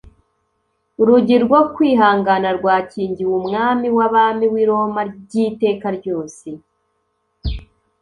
urugi rwo kwihana rwakingiwe umwami w’abami w’i Roma by’iteka ryose.